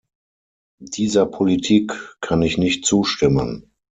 Dieser Politik kann ich nicht zustimmen!